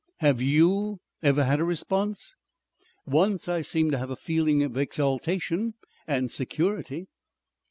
"Have YOU ever had a response?" "Once I seemed to have a feeling of exaltation and security."